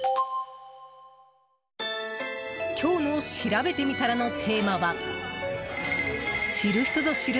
今日のしらべてみたらのテーマは知る人ぞ知る！